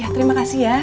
terima kasih ya